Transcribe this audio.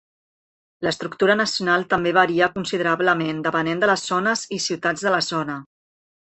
L'estructura nacional també varia considerablement depenent de les zones i ciutats de la zona.